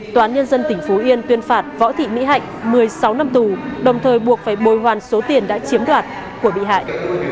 tòa án nhân dân tỉnh phú yên tuyên phạt võ thị mỹ hạnh một mươi sáu năm tù đồng thời buộc phải bồi hoàn số tiền đã chiếm đoạt của bị hại